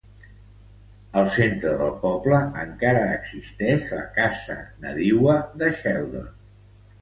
Al centre del poble encara existeix la casa nadiua de Sheldon.